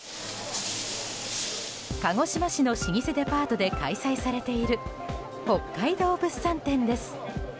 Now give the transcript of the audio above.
鹿児島市の老舗デパートで開催されている北海道物産展です。